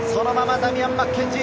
ダミアン・マッケンジー。